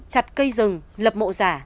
chặt cây rừng lập mộ giả